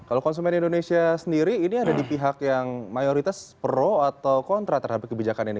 kalau konsumen indonesia sendiri ini ada di pihak yang mayoritas pro atau kontra terhadap kebijakan ini